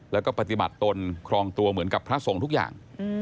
แล้วก็ปฏิบัติตนครองตัวเหมือนกับพระสงฆ์ทุกอย่าง